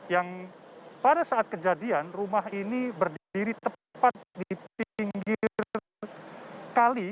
yang pada saat kejadian rumah ini berdiri tepat di pinggir kali